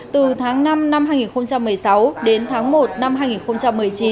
từ tháng năm năm hai nghìn một mươi sáu đến tháng một năm hai nghìn một mươi chín